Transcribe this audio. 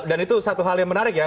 dan itu satu hal yang menarik ya